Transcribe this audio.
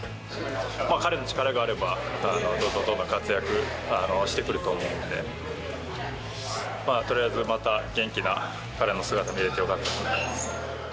彼の力があれば、どんどんどんどん活躍してくると思うんで、まあとりあえずまた、元気な彼の姿見れてよかったと思います。